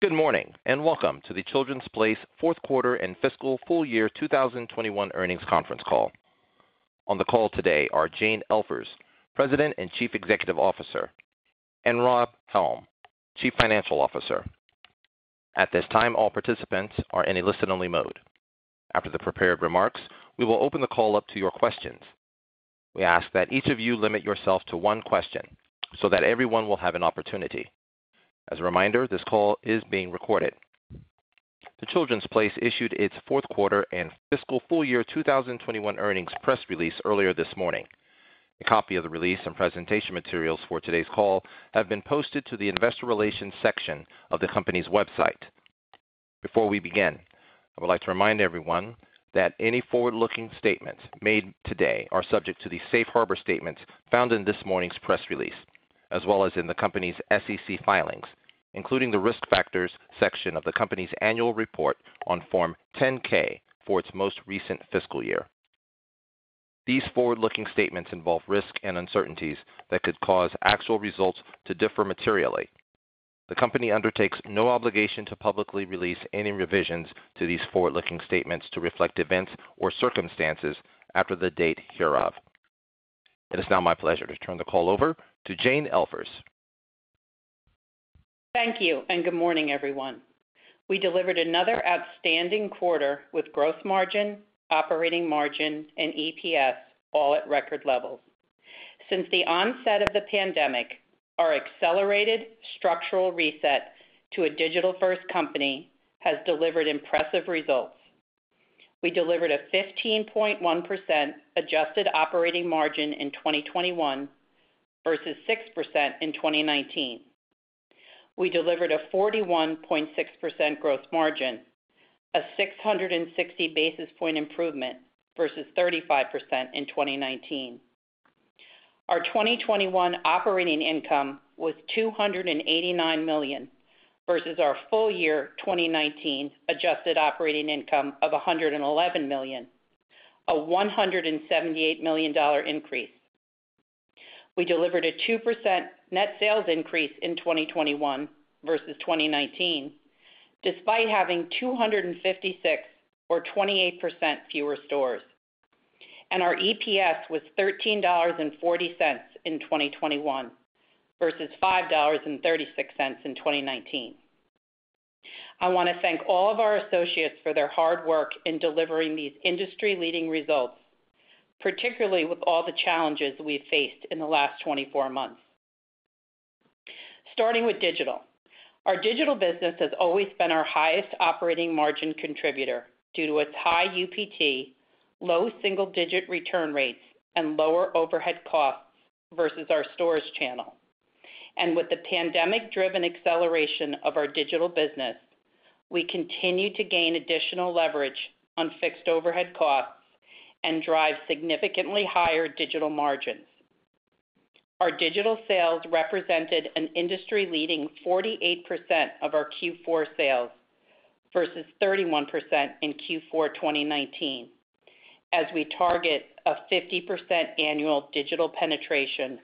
Good morning, and welcome to The Children's Place fourth quarter and fiscal full-year 2021 earnings conference call. On the call today are Jane Elfers, President and Chief Executive Officer, and Rob Helm, Chief Financial Officer. At this time, all participants are in a listen-only mode. After the prepared remarks, we will open the call up to your questions. We ask that each of you limit yourself to one question so that everyone will have an opportunity. As a reminder, this call is being recorded. The Children's Place issued its fourth quarter and fiscal full-year 2021 earnings press release earlier this morning. A copy of the release and presentation materials for today's call have been posted to the Investor Relations section of the company's website. Before we begin, I would like to remind everyone that any forward-looking statements made today are subject to the safe harbor statements found in this morning's press release, as well as in the company's SEC filings, including the Risk Factors section of the company's annual report on Form 10-K for its most recent fiscal year. These forward-looking statements involve risks and uncertainties that could cause actual results to differ materially. The company undertakes no obligation to publicly release any revisions to these forward-looking statements to reflect events or circumstances after the date hereof. It is now my pleasure to turn the call over to Jane Elfers. Thank you, and good morning, everyone. We delivered another outstanding quarter with gross margin, operating margin, and EPS all at record levels. Since the onset of the pandemic, our accelerated structural reset to a digital-first company has delivered impressive results. We delivered a 15.1% adjusted operating margin in 2021 versus 6% in 2019. We delivered a 41.6% gross margin, a 660 basis point improvement versus 35% in 2019. Our 2021 operating income was $289 million versus our full-year 2019 adjusted operating income of $111 million, a $178 million increase. We delivered a 2% net sales increase in 2021 versus 2019, despite having 256 or 28% fewer stores. Our EPS was $13.40 in 2021 versus $5.36 in 2019. I wanna thank all of our associates for their hard work in delivering these industry-leading results, particularly with all the challenges we faced in the last 24 months. Starting with digital. Our digital business has always been our highest operating margin contributor due to its high UPT, low single-digit return rates, and lower overhead costs versus our stores channel. With the pandemic-driven acceleration of our digital business, we continue to gain additional leverage on fixed overhead costs and drive significantly higher digital margins. Our digital sales represented an industry-leading 48% of our Q4 sales versus 31% in Q4 2019, as we target a 50% annual digital penetration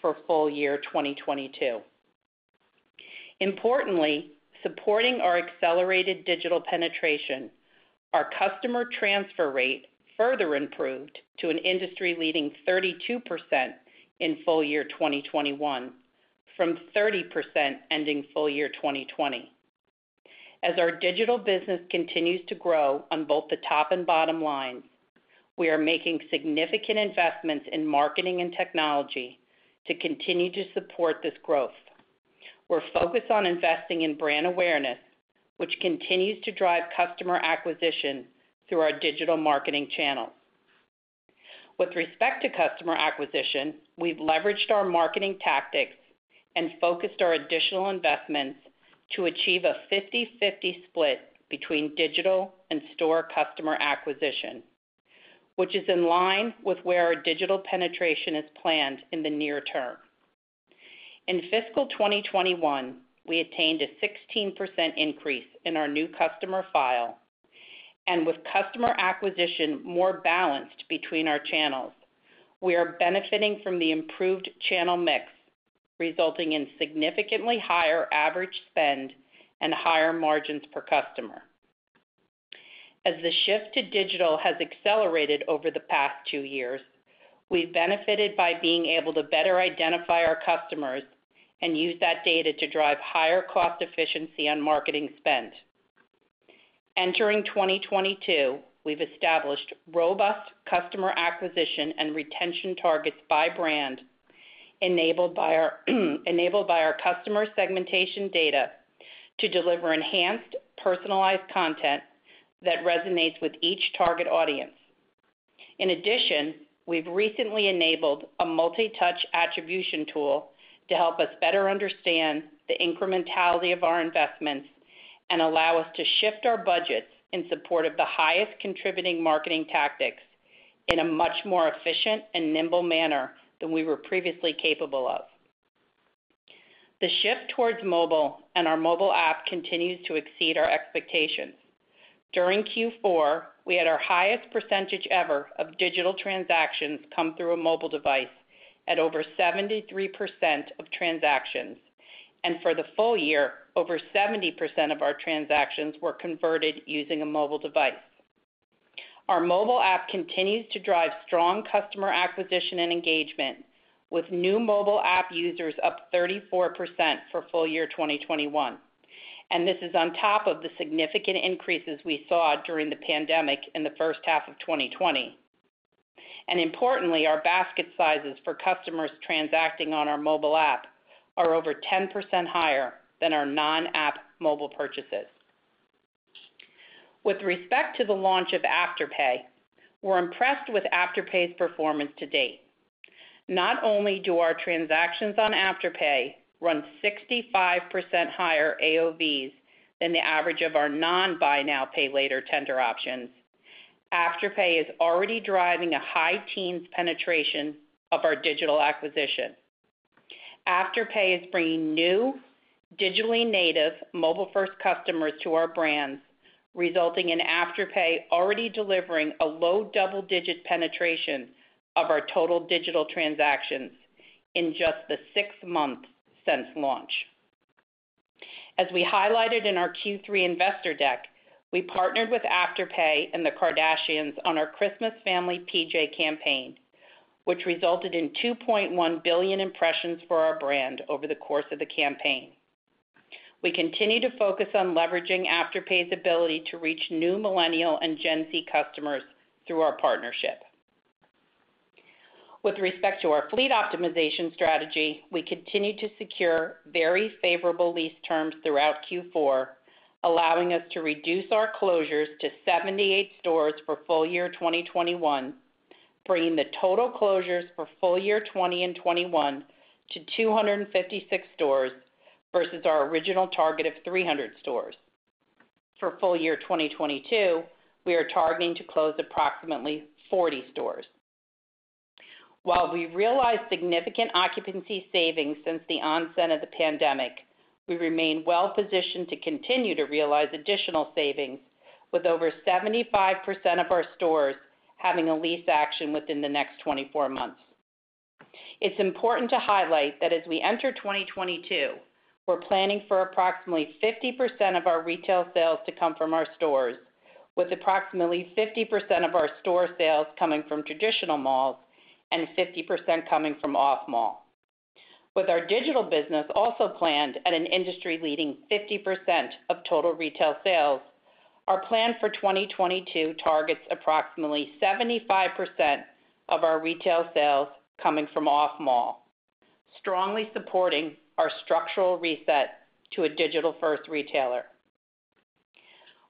for full-year 2022. Importantly, supporting our accelerated digital penetration, our customer transfer rate further improved to an industry-leading 32% in full-year 2021 from 30% ending full-year 2020. As our digital business continues to grow on both the top and bottom line, we are making significant investments in marketing and technology to continue to support this growth. We're focused on investing in brand awareness, which continues to drive customer acquisition through our digital marketing channels. With respect to customer acquisition, we've leveraged our marketing tactics and focused our additional investments to achieve a 50/50 split between digital and store customer acquisition, which is in line with where our digital penetration is planned in the near term. In fiscal 2021, we attained a 16% increase in our new customer file. With customer acquisition more balanced between our channels, we are benefiting from the improved channel mix, resulting in significantly higher average spend and higher margins per customer. As the shift to digital has accelerated over the past two years, we've benefited by being able to better identify our customers and use that data to drive higher cost efficiency on marketing spend. Entering 2022, we've established robust customer acquisition and retention targets by brand enabled by our customer segmentation data to deliver enhanced, personalized content that resonates with each target audience. In addition, we've recently enabled a multi-touch attribution tool to help us better understand the incrementality of our investments and allow us to shift our budgets in support of the highest contributing marketing tactics in a much more efficient and nimble manner than we were previously capable of. The shift towards mobile and our mobile app continues to exceed our expectations. During Q4, we had our highest percentage ever of digital transactions come through a mobile device at over 73% of transactions. For the full-year, over 70% of our transactions were converted using a mobile device. Our mobile app continues to drive strong customer acquisition and engagement, with new mobile app users up 34% for full-year 2021, and this is on top of the significant increases we saw during the pandemic in the first half of 2020. Importantly, our basket sizes for customers transacting on our mobile app are over 10% higher than our non-app mobile purchases. With respect to the launch of Afterpay, we're impressed with Afterpay's performance to date. Not only do our transactions on Afterpay run 65% higher AOV than the average of our non Buy Now, Pay Later tender options. Afterpay is already driving a high teens penetration of our digital acquisition. Afterpay is bringing new, digitally native mobile first customers to our brands, resulting in Afterpay already delivering a low double-digit penetration of our total digital transactions in just the six months since launch. As we highlighted in our Q3 investor deck, we partnered with Afterpay and the Kardashians on our Christmas family PJ campaign, which resulted in 2.1 billion impressions for our brand over the course of the campaign. We continue to focus on leveraging Afterpay's ability to reach new Millennial and Gen Z customers through our partnership. With respect to our fleet optimization strategy, we continue to secure very favorable lease terms throughout Q4, allowing us to reduce our closures to 78 stores for full-year 2021, bringing the total closures for full-year 2020 and 2021 to 256 stores versus our original target of 300 stores. For full-year 2022, we are targeting to close approximately 40 stores. While we realized significant occupancy savings since the onset of the pandemic, we remain well positioned to continue to realize additional savings with over 75% of our stores having a lease action within the next 24 months. It's important to highlight that as we enter 2022, we're planning for approximately 50% of our retail sales to come from our stores, with approximately 50% of our store sales coming from traditional malls and 50% coming from off-mall. With our digital business also planned at an industry-leading 50% of total retail sales, our plan for 2022 targets approximately 75% of our retail sales coming from off-mall, strongly supporting our structural reset to a digital first retailer.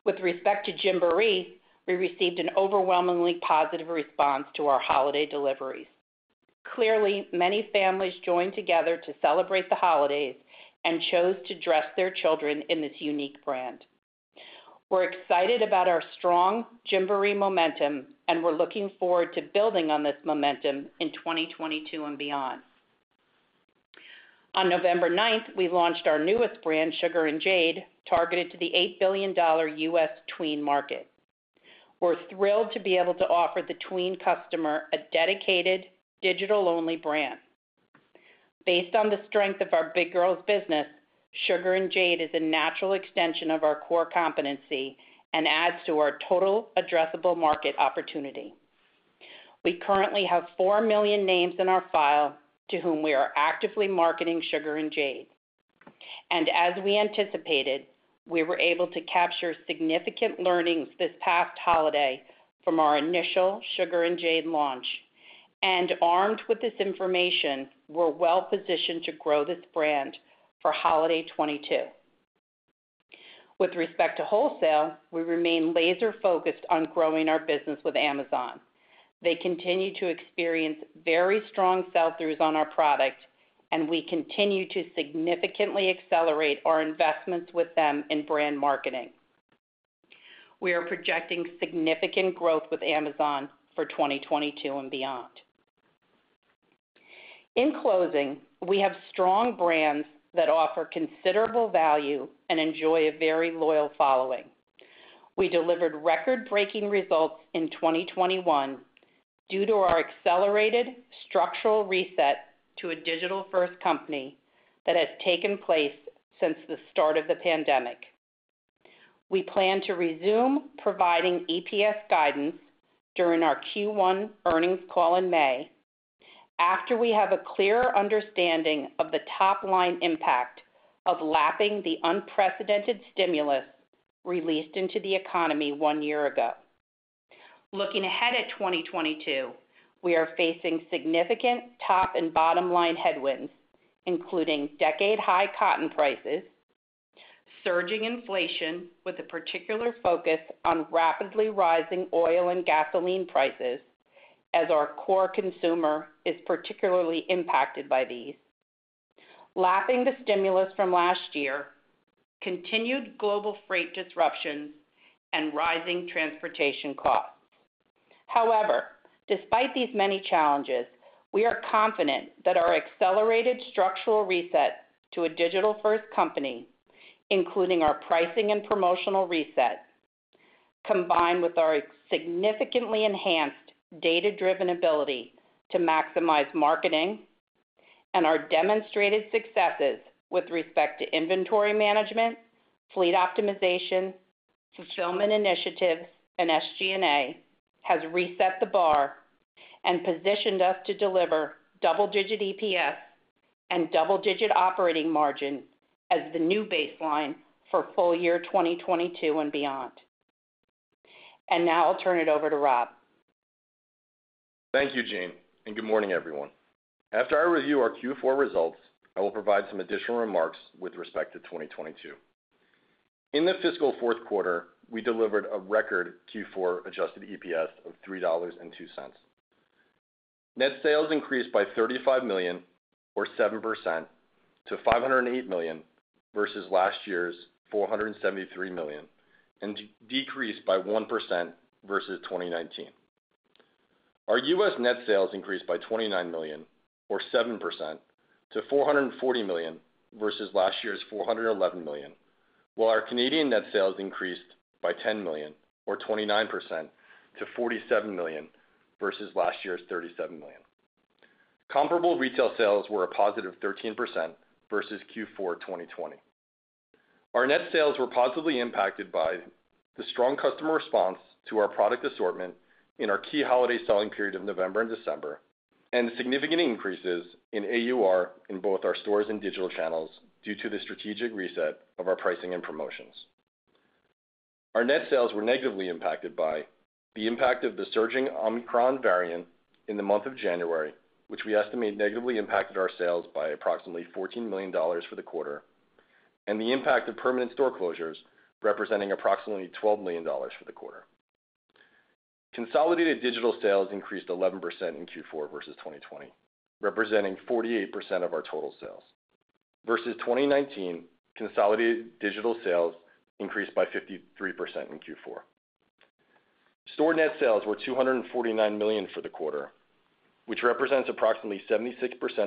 With respect to Gymboree, we received an overwhelmingly positive response to our holiday deliveries. Clearly, many families joined together to celebrate the holidays and chose to dress their children in this unique brand. We're excited about our strong Gymboree momentum, and we're looking forward to building on this momentum in 2022 and beyond. On November 9th, we launched our newest brand, Sugar & Jade, targeted to the $8 billion U.S. tween market. We're thrilled to be able to offer the tween customer a dedicated digital-only brand. Based on the strength of our Big Girls business, Sugar & Jade is a natural extension of our core competency and adds to our total addressable market opportunity. We currently have 4 million names in our file to whom we are actively marketing Sugar & Jade. As we anticipated, we were able to capture significant learnings this past holiday from our initial Sugar & Jade launch. Armed with this information, we're well positioned to grow this brand for holiday 2022. With respect to wholesale, we remain laser focused on growing our business with Amazon. They continue to experience very strong sell-throughs on our product, and we continue to significantly accelerate our investments with them in brand marketing. We are projecting significant growth with Amazon for 2022 and beyond. In closing, we have strong brands that offer considerable value and enjoy a very loyal following. We delivered record-breaking results in 2021 due to our accelerated structural reset to a digital first company that has taken place since the start of the pandemic. We plan to resume providing EPS guidance during our Q1 earnings call in May after we have a clearer understanding of the top line impact of lapping the unprecedented stimulus released into the economy one year ago. Looking ahead at 2022, we are facing significant top and bottom line headwinds, including decade high cotton prices, surging inflation with a particular focus on rapidly rising oil and gasoline prices as our core consumer is particularly impacted by these. Lapping the stimulus from last year, continued global freight disruptions and rising transportation costs. However, despite these many challenges, we are confident that our accelerated structural reset to a digital first company, including our pricing and promotional reset, combined with our significantly enhanced data-driven ability to maximize marketing and our demonstrated successes with respect to inventory management, fleet optimization, fulfillment initiatives, and SG&A, has reset the bar and positioned us to deliver double-digit EPS and double-digit operating margin as the new baseline for full-year 2022 and beyond. Now I'll turn it over to Rob. Thank you, Jane, and good morning, everyone. After I review our Q4 results, I will provide some additional remarks with respect to 2022. In the fiscal fourth quarter, we delivered a record Q4 adjusted EPS of $3.02. Net sales increased by $35 million or 7% to $508 million versus last year's $473 million, and decreased by 1% versus 2019. Our U.S. net sales increased by $29 million or 7% to $440 million versus last year's $411 million. While our Canadian net sales increased by 10 million or 29% to 47 million versus last year's 37 million. Comparable retail sales were +13% versus Q4 2020. Our net sales were positively impacted by the strong customer response to our product assortment in our key holiday selling period of November and December, and the significant increases in AUR in both our stores and digital channels due to the strategic reset of our pricing and promotions. Our net sales were negatively impacted by the impact of the surging Omicron variant in the month of January, which we estimate negatively impacted our sales by approximately $14 million for the quarter, and the impact of permanent store closures representing approximately $12 million for the quarter. Consolidated digital sales increased 11% in Q4 versus 2020, representing 48% of our total sales. Versus 2019, consolidated digital sales increased by 53% in Q4. Store net sales were $249 million for the quarter, which represents approximately 76%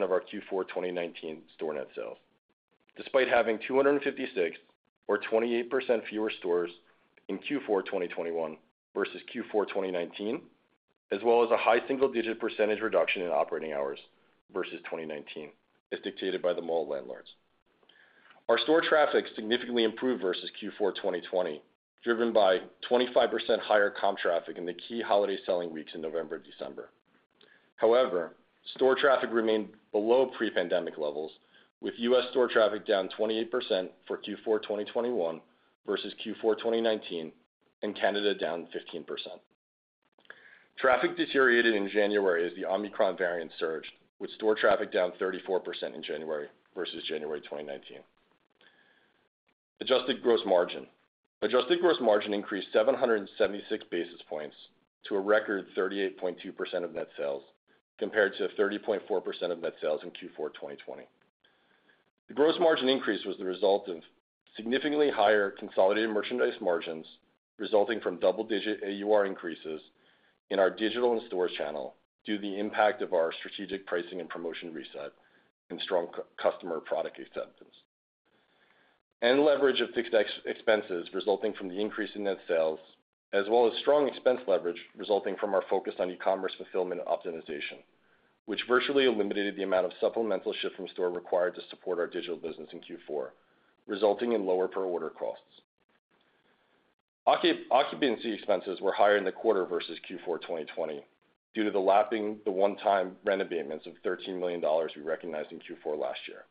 of our Q4 2019 store net sales, despite having 256 or 28% fewer stores in Q4 2021 versus Q4 2019, as well as a high single-digit percentage reduction in operating hours versus 2019, as dictated by the mall landlords. Our store traffic significantly improved versus Q4 2020, driven by 25% higher comp traffic in the key holiday selling weeks in November and December. However, store traffic remained below pre-pandemic levels, with U.S. store traffic down 28% for Q4 2021 versus Q4 2019 and Canada down 15%. Traffic deteriorated in January as the Omicron variant surged, with store traffic down 34% in January versus January 2019. Adjusted gross margin. Adjusted gross margin increased 776 basis points to a record 38.2% of net sales, compared to 30.4% of net sales in Q4 2020. The gross margin increase was the result of significantly higher consolidated merchandise margins, resulting from double-digit AUR increases in our digital and store channel due to the impact of our strategic pricing and promotion reset and strong customer product acceptance. Leverage of fixed expenses resulting from the increase in net sales, as well as strong expense leverage resulting from our focus on e-commerce fulfillment optimization, which virtually eliminated the amount of supplemental ship from store required to support our digital business in Q4, resulting in lower per order costs. Occupancy expenses were higher in the quarter versus Q4 2020 due to the lapping the one-time rent abatements of $13 million we recognized in Q4 last year.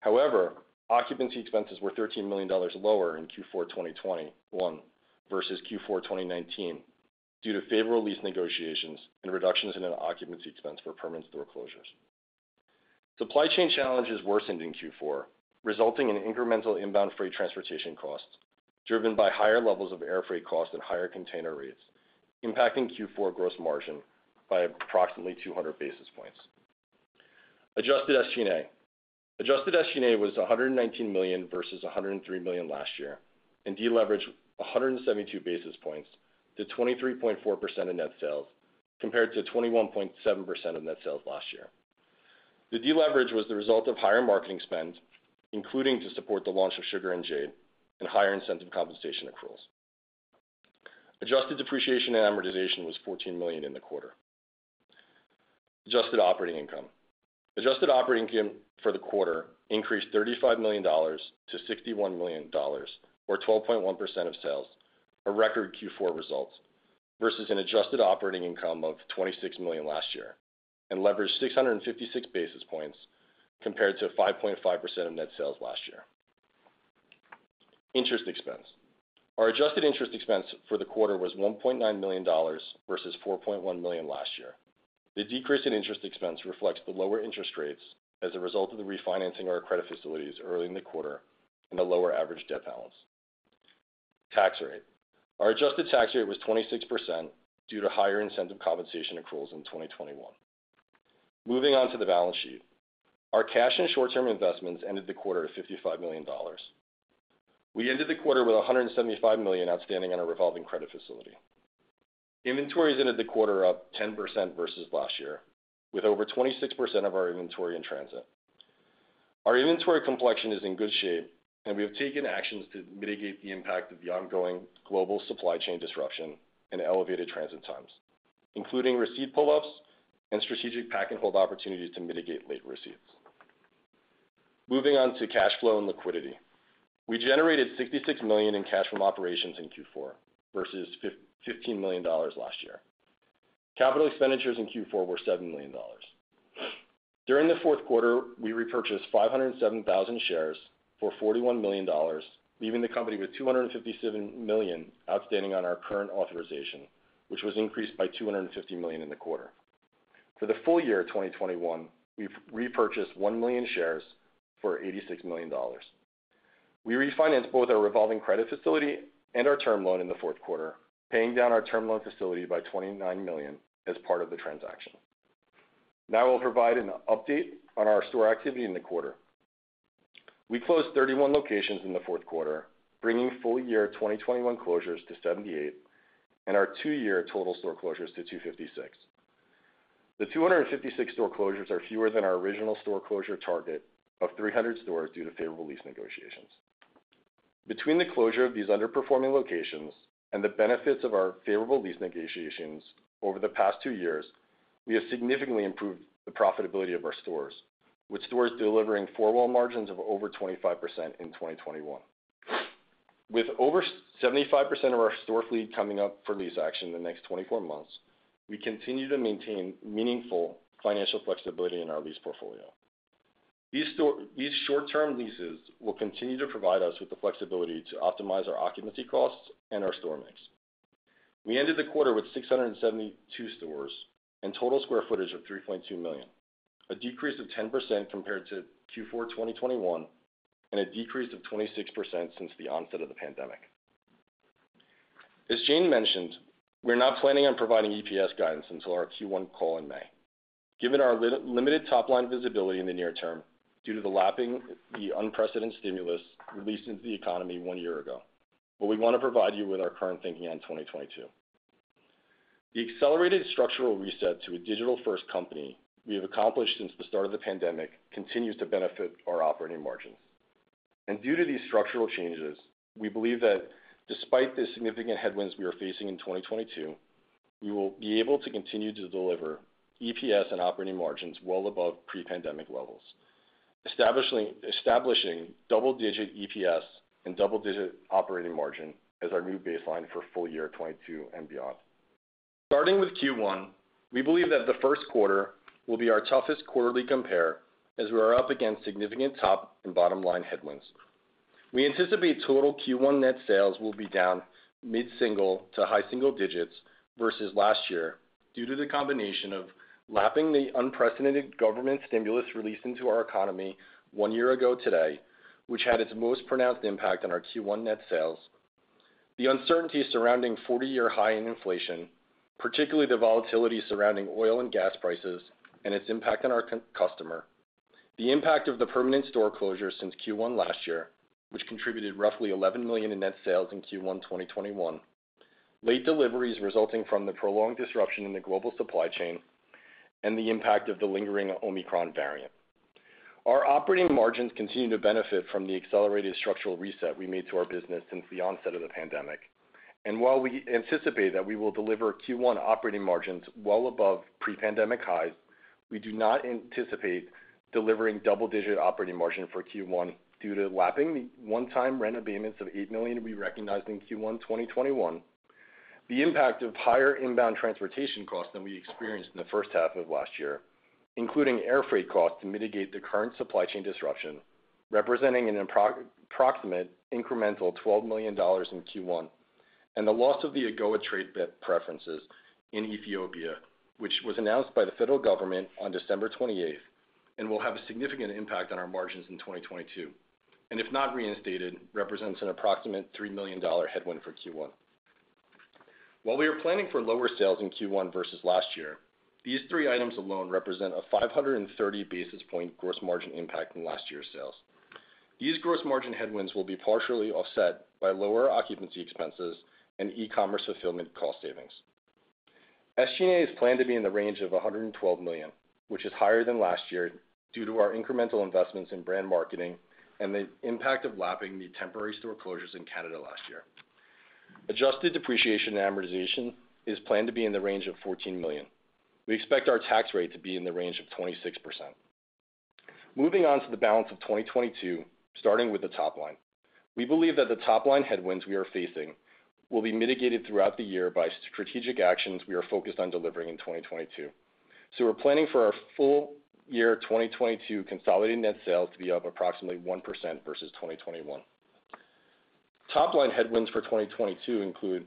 However, occupancy expenses were $13 million lower in Q4 2021 versus Q4 2019 due to favorable lease negotiations and reductions in an occupancy expense for permanent store closures. Supply chain challenges worsened in Q4, resulting in incremental inbound freight transportation costs, driven by higher levels of air freight costs and higher container rates, impacting Q4 gross margin by approximately 200 basis points. Adjusted SG&A. Adjusted SG&A was $119 million versus $103 million last year, and deleveraged 172 basis points to 23.4% of net sales, compared to 21.7% of net sales last year. The deleverage was the result of higher marketing spend, including to support the launch of Sugar & Jade and higher incentive compensation accruals. Adjusted depreciation and amortization was $14 million in the quarter. Adjusted operating income. Adjusted operating income for the quarter increased $35 million to $61 million or 12.1% of sales, a record Q4 results, versus an adjusted operating income of $26 million last year, and leveraged 656 basis points compared to 5.5% of net sales last year. Interest expense. Our adjusted interest expense for the quarter was $1.9 million versus $4.1 million last year. The decrease in interest expense reflects the lower interest rates as a result of the refinancing of our credit facilities early in the quarter and a lower average debt balance. Tax rate. Our adjusted tax rate was 26% due to higher incentive compensation accruals in 2021. Moving on to the balance sheet. Our cash and short-term investments ended the quarter at $55 million. We ended the quarter with $175 million outstanding on our revolving credit facility. Inventories ended the quarter up 10% versus last year, with over 26% of our inventory in transit. Our inventory complexion is in good shape, and we have taken actions to mitigate the impact of the ongoing global supply chain disruption and elevated transit times, including receipt pull-ups and strategic pack and hold opportunities to mitigate late receipts. Moving on to cash flow and liquidity. We generated $66 million in cash from operations in Q4 versus $15 million last year. Capital expenditures in Q4 were $7 million. During the fourth quarter, we repurchased 507,000 shares for $41 million, leaving the company with 257 million outstanding on our current authorization, which was increased by $250 million in the quarter. For the full-year 2021, we've repurchased 1 million shares for $86 million. We refinanced both our revolving credit facility and our term loan in the fourth quarter, paying down our term loan facility by $29 million as part of the transaction. Now we'll provide an update on our store activity in the quarter. We closed 31 locations in the fourth quarter, bringing full-year 2021 closures to 78 and our two-year total store closures to 256. The 256 store closures are fewer than our original store closure target of 300 stores due to favorable lease negotiations. Between the closure of these underperforming locations and the benefits of our favorable lease negotiations over the past two years, we have significantly improved the profitability of our stores, with stores delivering four wall margins of over 25% in 2021. With over 75% of our store fleet coming up for lease action in the next 24 months, we continue to maintain meaningful financial flexibility in our lease portfolio. These short-term leases will continue to provide us with the flexibility to optimize our occupancy costs and our store mix. We ended the quarter with 672 stores and total of 3.2 million sq ft, a decrease of 10% compared to Q4 2021, and a decrease of 26% since the onset of the pandemic. As Jane mentioned, we're not planning on providing EPS guidance until our Q1 call in May. Given our limited top-line visibility in the near term due to lapping the unprecedented stimulus released into the economy one year ago, but we wanna provide you with our current thinking on 2022. The accelerated structural reset to a digital-first company we have accomplished since the start of the pandemic continues to benefit our operating margins. Due to these structural changes, we believe that despite the significant headwinds we are facing in 2022, we will be able to continue to deliver EPS and operating margins well above pre-pandemic levels, establishing double-digit EPS and double-digit operating margin as our new baseline for full-year 2022 and beyond. Starting with Q1, we believe that the first quarter will be our toughest quarterly compare as we are up against significant top and bottom line headwinds. We anticipate total Q1 net sales will be down mid-single to high-single-digits versus last year due to the combination of lapping the unprecedented government stimulus released into our economy one year ago today, which had its most pronounced impact on our Q1 net sales, the uncertainty surrounding 40-year high inflation, particularly the volatility surrounding oil and gas prices and its impact on our consumer, the impact of the permanent store closures since Q1 last year, which contributed roughly $11 million in net sales in Q1 2021, late deliveries resulting from the prolonged disruption in the global supply chain, and the impact of the lingering Omicron variant. Our operating margins continue to benefit from the accelerated structural reset we made to our business since the onset of the pandemic. While we anticipate that we will deliver Q1 operating margins well above pre-pandemic highs, we do not anticipate delivering double-digit operating margin for Q1 due to lapping the one-time rent abatements of $8 million we recognized in Q1 2021, the impact of higher inbound transportation costs than we experienced in the first half of last year, including air freight costs to mitigate the current supply chain disruption, representing an approximate incremental $12 million in Q1, and the loss of the AGOA trade preferences in Ethiopia, which was announced by the federal government on December 28th, and will have a significant impact on our margins in 2022. If not reinstated, represents an approximate $3 million headwind for Q1. While we are planning for lower sales in Q1 versus last year, these three items alone represent a 530 basis point gross margin impact from last year's sales. These gross margin headwinds will be partially offset by lower occupancy expenses and e-commerce fulfillment cost savings. SG&A is planned to be in the range of $112 million, which is higher than last year due to our incremental investments in brand marketing and the impact of lapping the temporary store closures in Canada last year. Adjusted depreciation and amortization is planned to be in the range of $14 million. We expect our tax rate to be in the range of 26%. Moving on to the balance of 2022, starting with the top line. We believe that the top line headwinds we are facing will be mitigated throughout the year by strategic actions we are focused on delivering in 2022. We're planning for our full-year 2022 consolidated net sales to be up approximately 1% versus 2021. Top line headwinds for 2022 include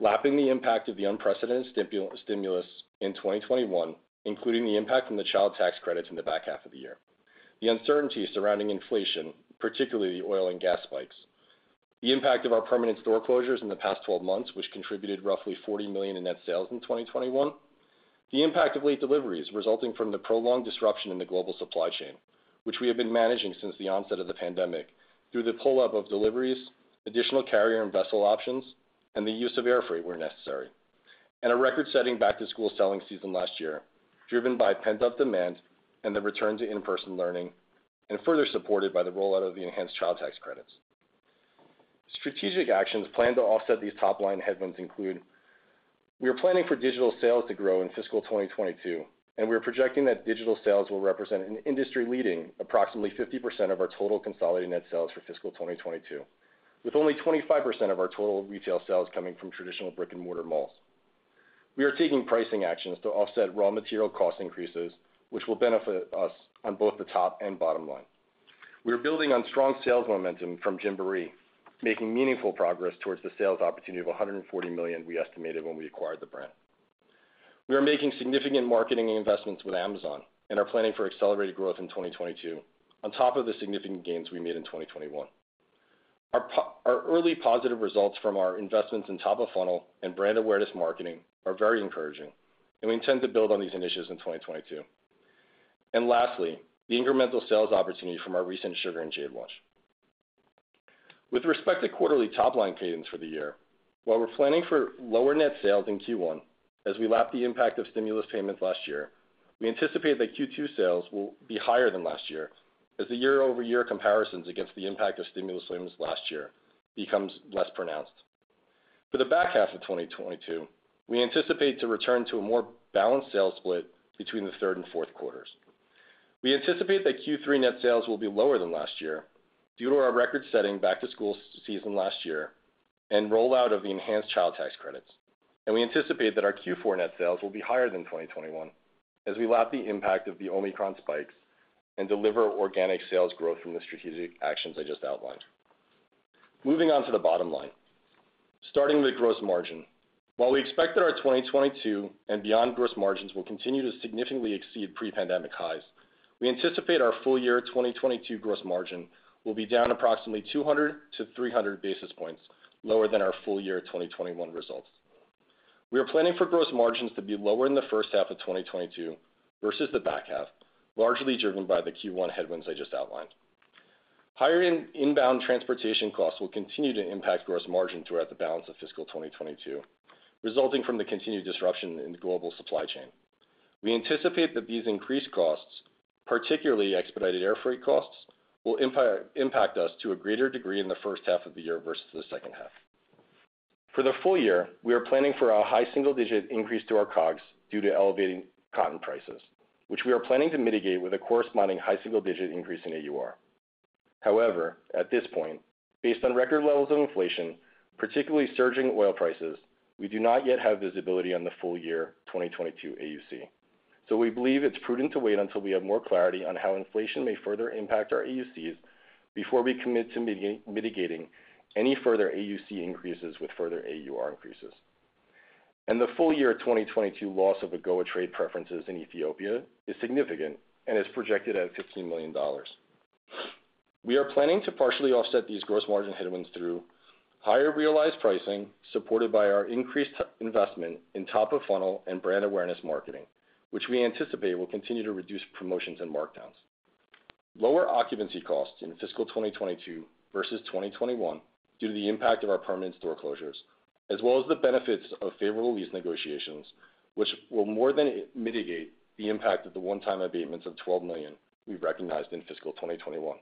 lapping the impact of the unprecedented stimulus in 2021, including the impact from the child tax credits in the back half of the year, the uncertainty surrounding inflation, particularly the oil and gas spikes. The impact of our permanent store closures in the past 12 months, which contributed roughly $40 million in net sales in 2021. The impact of late deliveries resulting from the prolonged disruption in the global supply chain, which we have been managing since the onset of the pandemic through the pull-up of deliveries, additional carrier and vessel options, and the use of air freight where necessary, and a record-setting back-to-school selling season last year, driven by pent-up demand and the return to in-person learning, and further supported by the rollout of the enhanced child tax credits. Strategic actions planned to offset these top-line headwinds include. We are planning for digital sales to grow in fiscal 2022, and we are projecting that digital sales will represent an industry-leading approximately 50% of our total consolidated net sales for fiscal 2022, with only 25% of our total retail sales coming from traditional brick-and-mortar malls. We are taking pricing actions to offset raw material cost increases, which will benefit us on both the top and bottom line. We are building on strong sales momentum from Gymboree, making meaningful progress towards the sales opportunity of $140 million we estimated when we acquired the brand. We are making significant marketing investments with Amazon and are planning for accelerated growth in 2022 on top of the significant gains we made in 2021. Our early positive results from our investments in top of funnel and brand awareness marketing are very encouraging, and we intend to build on these initiatives in 2022. Lastly, the incremental sales opportunity from our recent Sugar & Jade launch. With respect to quarterly top-line cadence for the year, while we're planning for lower net sales in Q1 as we lap the impact of stimulus payments last year, we anticipate that Q2 sales will be higher than last year as the year-over-year comparisons against the impact of stimulus payments last year becomes less pronounced. For the back half of 2022, we anticipate to return to a more balanced sales split between the third and fourth quarters. We anticipate that Q3 net sales will be lower than last year due to our record-setting back-to-school season last year and rollout of the enhanced child tax credits. We anticipate that our Q4 net sales will be higher than 2021 as we lap the impact of the Omicron spikes and deliver organic sales growth from the strategic actions I just outlined. Moving on to the bottom line. Starting with gross margin. While we expect that our 2022 and beyond gross margins will continue to significantly exceed pre-pandemic highs, we anticipate our full-year 2022 gross margin will be down approximately 200-300 basis points lower than our full-year 2021 results. We are planning for gross margins to be lower in the first half of 2022 versus the back half, largely driven by the Q1 headwinds I just outlined. Higher inbound transportation costs will continue to impact gross margin throughout the balance of fiscal 2022, resulting from the continued disruption in the global supply chain. We anticipate that these increased costs, particularly expedited air freight costs, will impact us to a greater degree in the first half of the year versus the second half. For the full-year, we are planning for a high single-digit increase to our COGS due to elevating cotton prices, which we are planning to mitigate with a corresponding high single-digit increase in AUR. However, at this point, based on record levels of inflation, particularly surging oil prices, we do not yet have visibility on the full-year 2022 AUC. We believe it's prudent to wait until we have more clarity on how inflation may further impact our AUCs before we commit to mitigating any further AUC increases with further AUR increases. The full-year 2022 loss of AGOA trade preferences in Ethiopia is significant and is projected at $15 million. We are planning to partially offset these gross margin headwinds through higher realized pricing supported by our increased investment in top of funnel and brand awareness marketing, which we anticipate will continue to reduce promotions and markdowns, lower occupancy costs in fiscal 2022 versus 2021 due to the impact of our permanent store closures, as well as the benefits of favorable lease negotiations, which will more than mitigate the impact of the one-time abatements of $12 million we recognized in fiscal 2021.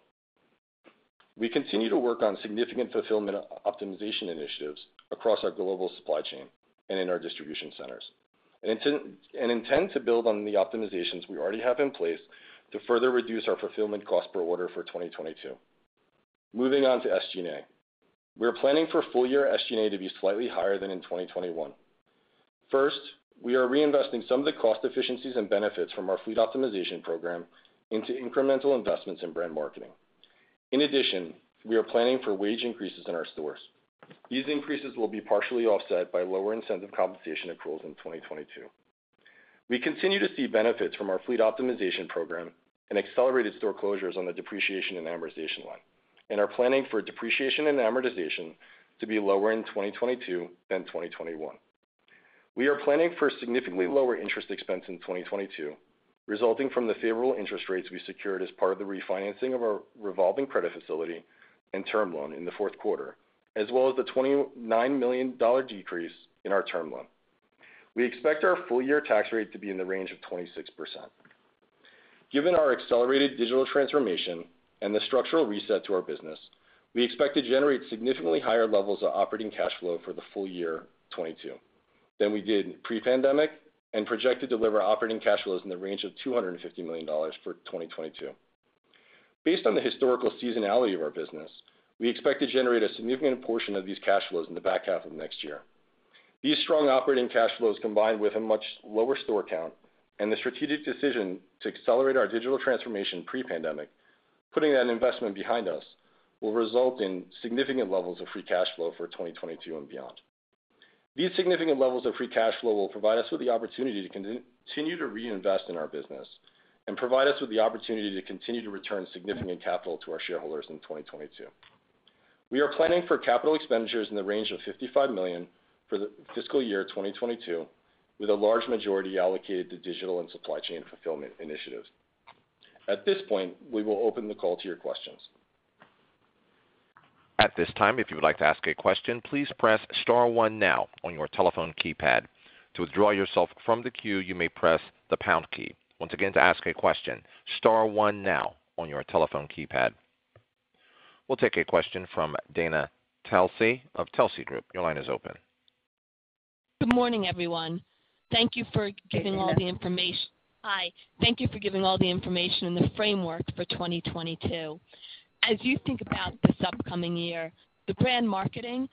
We continue to work on significant fulfillment optimization initiatives across our global supply chain and in our distribution centers, and intend to build on the optimizations we already have in place to further reduce our fulfillment cost per order for 2022. Moving on to SG&A. We are planning for full-year SG&A to be slightly higher than in 2021. First, we are reinvesting some of the cost efficiencies and benefits from our fleet optimization program into incremental investments in brand marketing. In addition, we are planning for wage increases in our stores. These incre ases will be partially offset by lower incentive compensation accruals in 2022. We continue to see benefits from our fleet optimization program and accelerated store closures on the depreciation and amortization line, and are planning for depreciation and amortization to be lower in 2022 than 2021. We are planning for significantly lower interest expense in 2022, resulting from the favorable interest rates we secured as part of the refinancing of our revolving credit facility and term loan in the fourth quarter, as well as the $29 million decrease in our term loan. We expect our full-year tax rate to be in the range of 26%. Given our accelerated digital transformation and the structural reset to our business, we expect to generate significantly higher levels of operating cash flow for the full-year 2022 than we did pre-pandemic and project to deliver operating cash flows in the range of $250 million for 2022. Based on the historical seasonality of our business, we expect to generate a significant portion of these cash flows in the back half of next year. These strong operating cash flows, combined with a much lower store count and the strategic decision to accelerate our digital transformation pre-pandemic, putting that investment behind us, will result in significant levels of free cash flow for 2022 and beyond. These significant levels of free cash flow will provide us with the opportunity to continue to reinvest in our business and provide us with the opportunity to continue to return significant capital to our shareholders in 2022. We are planning for capital expenditures in the range of $55 million for the fiscal year 2022, with a large majority allocated to digital and supply chain fulfillment initiatives. At this point, we will open the call to your questions. At this time, if you would like to ask a question, please press star one now on your telephone keypad. To withdraw yourself from the queue, you may press the pound key. Once again, to ask a question, star one now on your telephone keypad. We'll take a question from Dana Telsey of Telsey Group. Your line is open. Good morning, everyone. Thank you for giving all the information. Hey, Dana. Hi. Thank you for giving all the information and the framework for 2022. As you think about this upcoming year, the brand marketing,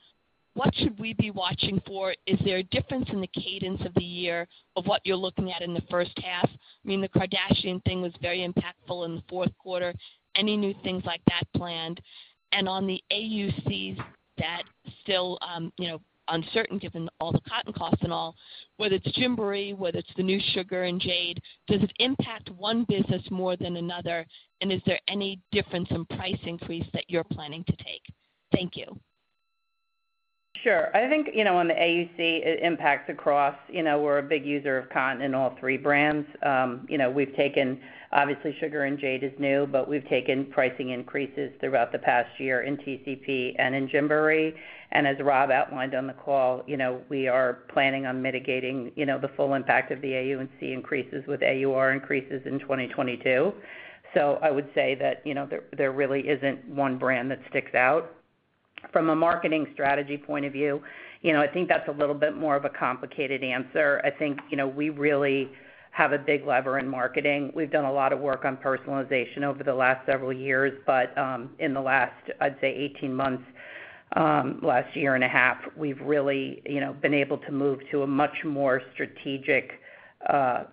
what should we be watching for? Is there a difference in the cadence of the year of what you're looking at in the first half? I mean, the Kardashian thing was very impactful in the fourth quarter. Any new things like that planned? On the AUCs that still, you know, uncertain given all the cotton costs and all, whether it's Gymboree, whether it's the new Sugar & Jade, does it impact one business more than another? Is there any difference in price increase that you're planning to take? Thank you. Sure. I think, you know, on the AUC, it impacts across. You know, we're a big user of cotton in all three brands. You know, obviously, Sugar & Jade is new, but we've taken pricing increases throughout the past year in TCP and in Gymboree. As Rob outlined on the call, you know, we are planning on mitigating, you know, the full impact of the AUC increases with AUR increases in 2022. I would say that, you know, there really isn't one brand that sticks out. From a marketing strategy point of view, you know, I think that's a little bit more of a complicated answer. I think, you know, we really have a big lever in marketing. We've done a lot of work on personalization over the last several years, but in the last, I'd say 18 months, last year and a half, we've really, you know, been able to move to a much more strategic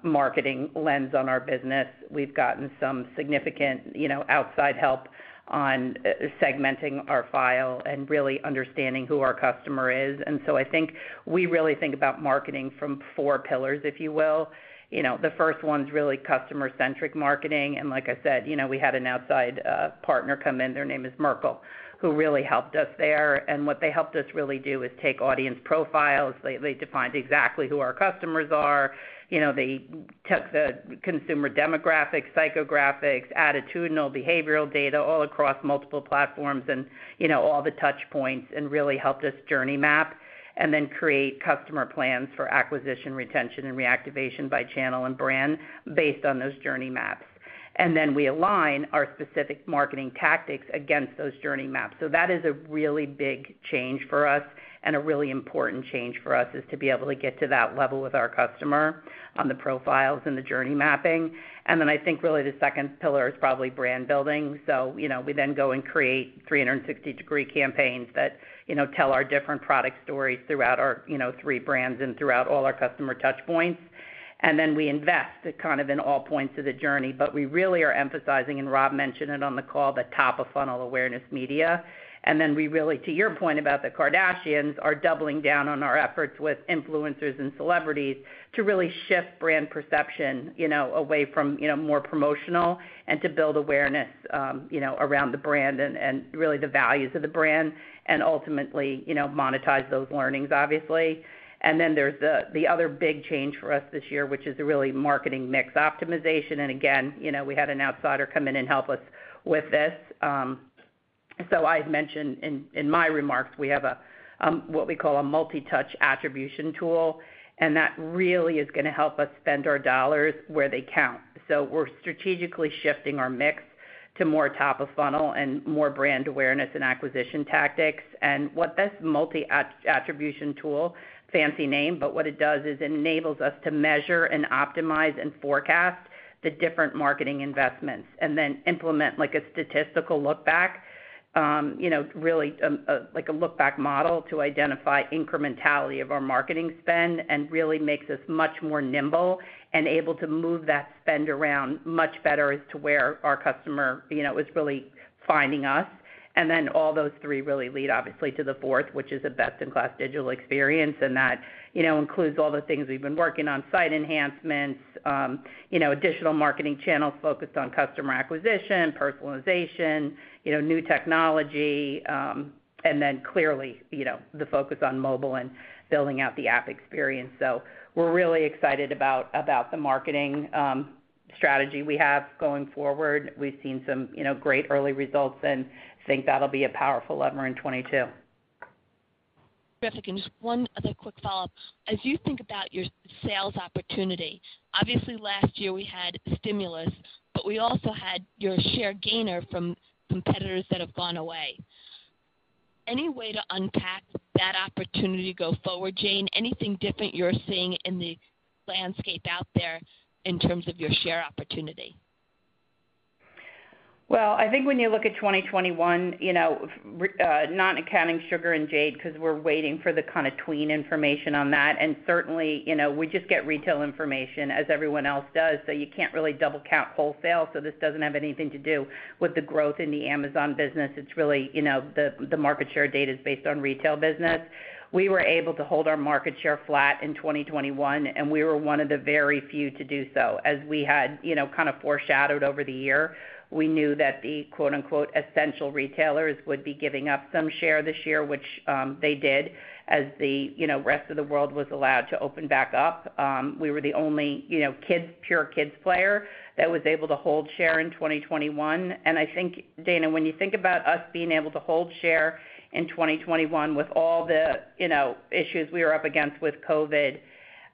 marketing lens on our business. We've gotten some significant, you know, outside help on segmenting our file and really understanding who our customer is. I think we really think about marketing from four pillars, if you will. You know, the first one's really customer-centric marketing. Like I said, you know, we had an outside partner come in, their name is Merkle, who really helped us there. What they helped us really do is take audience profiles. They defined exactly who our customers are. You know, they took the consumer demographics, psychographics, attitudinal, behavioral data all across multiple platforms and, you know, all the touch points and really helped us journey map and then create customer plans for acquisition, retention, and reactivation by channel and brand based on those journey maps. We align our specific marketing tactics against those journey maps. That is a really big change for us and a really important change for us is to be able to get to that level with our customer on the profiles and the journey mapping. I think really the second pillar is probably brand building. You know, we then go and create 360-degree campaigns that, you know, tell our different product stories throughout our, you know, three brands and throughout all our customer touch points. We invest kind of in all points of the journey. We really are emphasizing, and Rob mentioned it on the call, the top of funnel awareness media. We really, to your point about the Kardashians, are doubling down on our efforts with influencers and celebrities to really shift brand perception, you know, away from, you know, more promotional and to build awareness, you know, around the brand and really the values of the brand and ultimately, you know, monetize those learnings, obviously. There's the other big change for us this year, which is really marketing mix optimization. Again, you know, we had an outsider come in and help us with this. I've mentioned in my remarks, we have what we call a multi-touch attribution tool, and that really is gonna help us spend our dollars where they count. We're strategically shifting our mix to more top of funnel and more brand awareness and acquisition tactics. What this multi attribution tool, fancy name, but what it does is enables us to measure and optimize and forecast the different marketing investments and then implement like a statistical look back, you know, really, like a look back model to identify incrementality of our marketing spend and really makes us much more nimble and able to move that spend around much better as to where our customer, you know, is really finding us. All those three really lead obviously to the fourth, which is a best in class digital experience. That, you know, includes all the things we've been working on, site enhancements, you know, additional marketing channels focused on customer acquisition, personalization, you know, new technology, and then clearly, you know, the focus on mobile and building out the app experience. We're really excited about the marketing strategy we have going forward. We've seen some, you know, great early results and think that'll be a powerful lever in 2022. Terrific. Just one other quick follow-up. As you think about your sales opportunity, obviously last year we had stimulus, but we also had your share gainer from competitors that have gone away. Any way to unpack that opportunity to go forward, Jane? Anything different you're seeing in the landscape out there in terms of your share opportunity? Well, I think when you look at 2021, you know, not accounting Sugar & Jade because we're waiting for the kind of tween information on that, and certainly, you know, we just get retail information as everyone else does, so you can't really double count wholesale, so this doesn't have anything to do with the growth in the Amazon business. It's really, you know, the market share data is based on retail business. We were able to hold our market share flat in 2021, and we were one of the very few to do so. As we had, you know, kind of foreshadowed over the year, we knew that the quote-unquote essential retailers would be giving up some share this year, which they did as the, you know, rest of the world was allowed to open back up. We were the only, you know, kids pure kids player that was able to hold share in 2021. I think, Dana, when you think about us being able to hold share in 2021 with all the, you know, issues we were up against with COVID,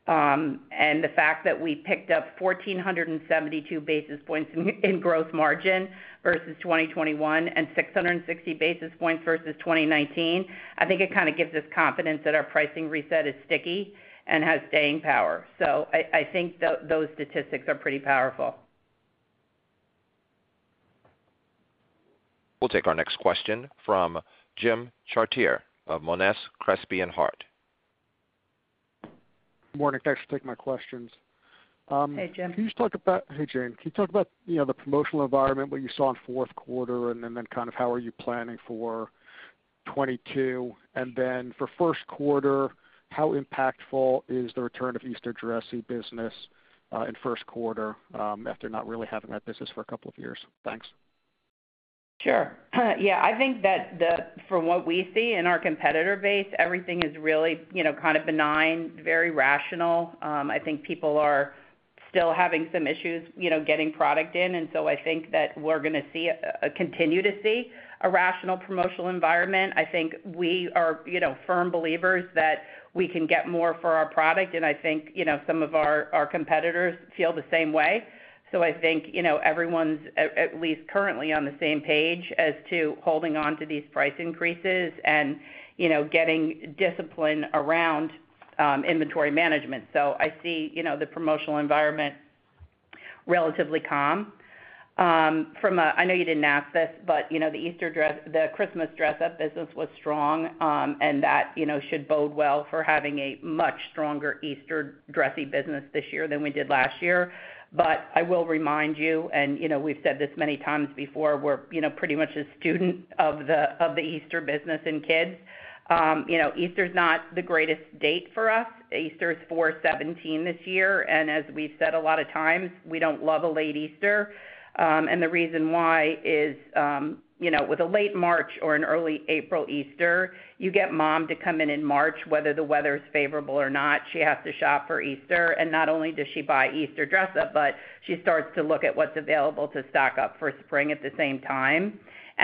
and the fact that we picked up 1,472 basis points in gross margin versus 2021 and 660 basis points versus 2019, I think it kind of gives us confidence that our pricing reset is sticky and has staying power. I think those statistics are pretty powerful. We'll take our next question from Jim Chartier of Monness, Crespi, Hardt. Good morning. Thanks for taking my questions. Hey, Jim. Can you just talk about, hey, Jane. Can you talk about, you know, the promotional environment, what you saw in fourth quarter and then kind of how are you planning for 2022? Then for first quarter, how impactful is the return of Easter dressy business in first quarter after not really having that business for a couple of years? Thanks. Sure. Yeah, I think from what we see in our competitor base, everything is really, you know, kind of benign, very rational. I think people are still having some issues, you know, getting product in, and so I think that we're gonna continue to see a rational promotional environment. I think we are, you know, firm believers that we can get more for our product, and I think, you know, some of our competitors feel the same way. I think, you know, everyone's at least currently on the same page as to holding on to these price increases and, you know, getting discipline around inventory management. I see, you know, the promotional environment relatively calm. From a. I know you didn't ask this, but you know, the Easter dress, the Christmas dress up business was strong, and that you know, should bode well for having a much stronger Easter dressy business this year than we did last year. I will remind you, and you know, we've said this many times before, we're you know, pretty much a student of the Easter business in kids. You know, Easter is not the greatest date for us. Easter is 4/17 this year, and as we've said a lot of times, we don't love a late Easter. The reason why is you know, with a late March or an early April Easter, you get mom to come in in March, whether the weather is favorable or not. She has to shop for Easter. Not only does she buy Easter dress up, but she starts to look at what's available to stock up for spring at the same time.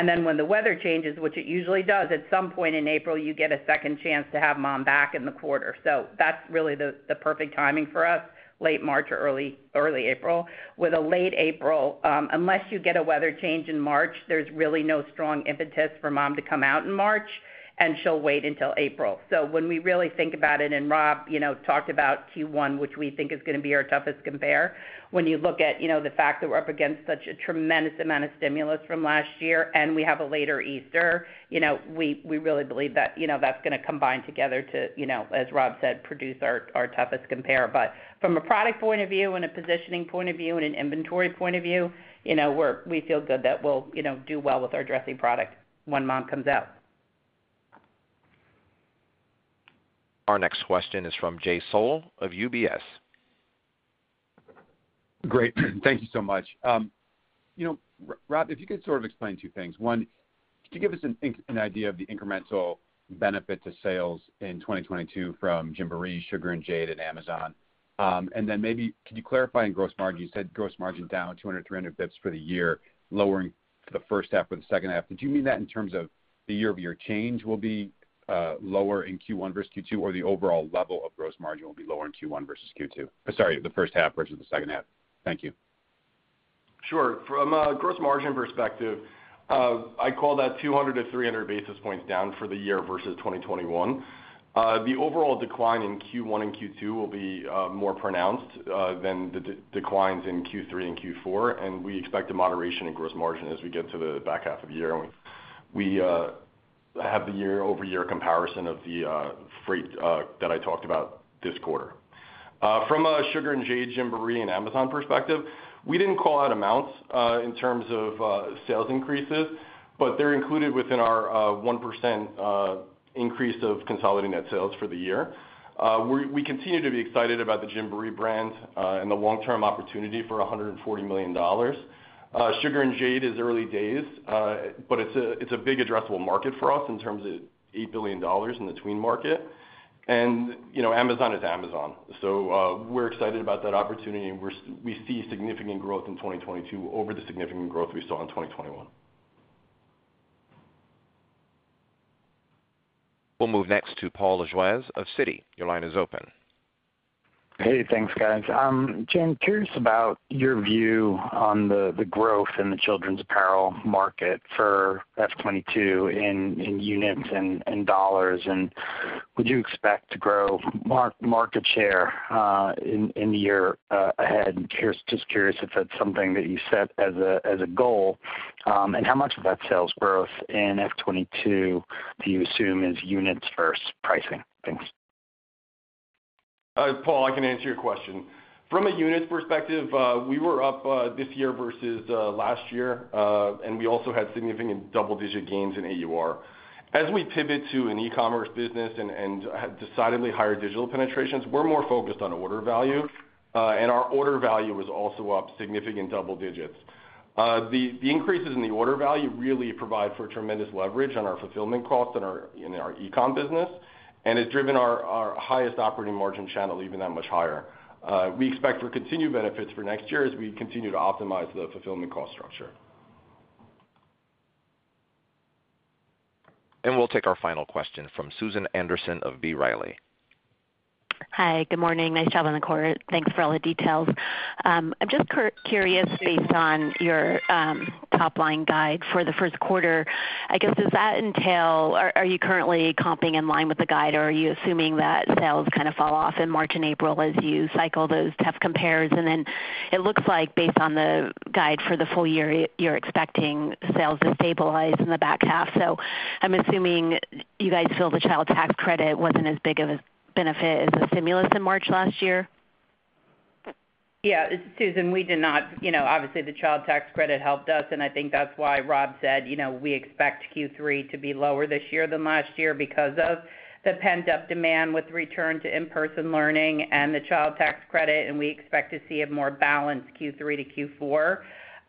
Then when the weather changes, which it usually does, at some point in April, you get a second chance to have mom back in the quarter. That's really the perfect timing for us, late March or early April. With a late April, unless you get a weather change in March, there's really no strong impetus for mom to come out in March, and she'll wait until April. When we really think about it, Rob, you know, talked about Q1, which we think is gonna be our toughest compare. When you look at, you know, the fact that we're up against such a tremendous amount of stimulus from last year and we have a later Easter, you know, we really believe that, you know, that's gonna combine together to, you know, as Rob said, produce our toughest compare. But from a product point of view and a positioning point of view and an inventory point-of-view, you know, we feel good that we'll, you know, do well with our dressy product when mom comes out. Our next question is from Jay Sole of UBS. Great. Thank you so much. You know, Rob, if you could sort of explain two things. One, can you give us an idea of the incremental benefit to sales in 2022 from Gymboree, Sugar & Jade, and Amazon? And then maybe can you clarify in gross margin, you said gross margin down 200-300 bps for the year, lowering for the first half or the second half. Did you mean that in terms of the year-over-year change will be lower in Q1 versus Q2 or the overall level of gross margin will be lower in Q1 versus Q2? Sorry, the first half versus the second half. Thank you. Sure. From a gross margin perspective, I call that 200-300 basis points down for the year versus 2021. The overall decline in Q1 and Q2 will be more pronounced than the declines in Q3 and Q4, and we expect a moderation in gross margin as we get to the back half of the year when we have the year-over-year comparison of the freight that I talked about this quarter. From a Sugar & Jade, Gymboree, and Amazon perspective, we didn't call out amounts in terms of sales increases, but they're included within our 1% increase of consolidated net sales for the year. We continue to be excited about the Gymboree brand and the long-term opportunity for $140 million. Sugar & Jade is early days, but it's a big addressable market for us in terms of $8 billion in the tween market. You know, Amazon is Amazon. We're excited about that opportunity, and we see significant growth in 2022 over the significant growth we saw in 2021. We'll move next to Paul Lejuez of Citi. Your line is open. Hey, thanks, guys. Jane, curious about your view on the growth in the children's apparel market for FY 2022 in units and dollars, and would you expect to grow market share in the year ahead? Just curious if that's something that you set as a goal, and how much of that sales growth in FY 2022 do you assume is units versus pricing? Thanks. Paul, I can answer your question. From a units perspective, we were up this year versus last year, and we also had significant double-digit gains in AUR. As we pivot to an e-commerce business and decidedly higher digital penetrations, we're more focused on order value, and our order value was also up significant double digits. The increases in the order value really provide for tremendous leverage on our fulfillment costs in our e-com business, and it's driven our highest operating margin channel even that much higher. We expect to continue benefits for next year as we continue to optimize the fulfillment cost structure. We'll take our final question from Susan Anderson of B. Riley. Hi. Good morning. Nice job on the quarter. Thanks for all the details. I'm just curious, based on your top line guide for the first quarter, I guess, are you currently comping in line with the guide, or are you assuming that sales kinda fall off in March and April as you cycle those tough compares? It looks like based on the guide for the full-year, you're expecting sales to stabilize in the back half. I'm assuming you guys feel the Child Tax Credit wasn't as big of a benefit as the stimulus in March last year. Yeah. Susan, we did not. You know, obviously, the child tax credit helped us, and I think that's why Rob said, you know, we expect Q3 to be lower this year than last year because of the pent-up demand with return to in-person learning and the Child Tax Credit, and we expect to see a more balanced Q3 to Q4.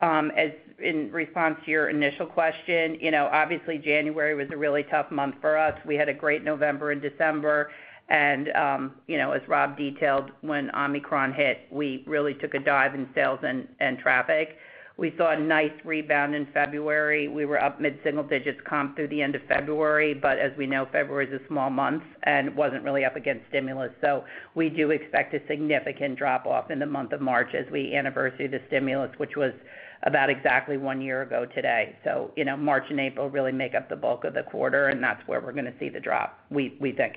As in response to your initial question, you know, obviously January was a really tough month for us. We had a great November and December and, you know, as Rob detailed, when Omicron hit, we really took a dive in sales and traffic. We saw a nice rebound in February. We were up mid-single digits comp through the end of February. But as we know, February is a small month, and it wasn't really up against stimulus. We do expect a significant drop-off in the month of March as we anniversary the stimulus, which was about exactly one year ago today. You know, March and April really make up the bulk of the quarter, and that's where we're gonna see the drop, we think.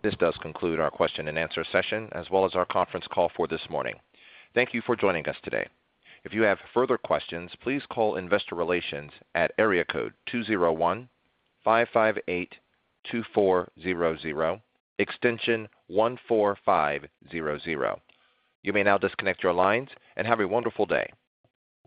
This does conclude our question-and-answer session as well as our conference call for this morning. Thank you for joining us today. If you have further questions, please call Investor Relations at area code 201-558-2400, extension 14500. You may now disconnect your lines, and have a wonderful day.